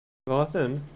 Tebɣa-ten?